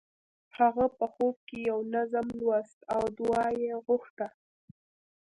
هغه په خوب کې یو نظم لوست او دعا یې غوښته